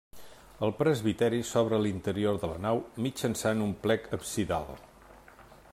El presbiteri s'obre a l'interior de la nau mitjançant un plec absidal.